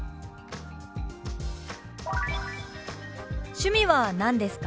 「趣味は何ですか？」。